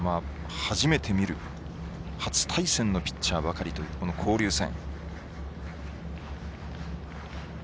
初めて見る初対戦のピッチャーばかりというこの交流戦。